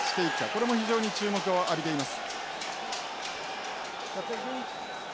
これも非常に注目を浴びています。